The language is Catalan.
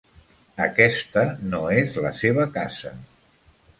Aquesta no és la seva casa.